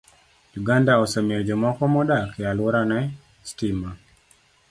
Uganda osemiyo jomoko modak e alworane sitima.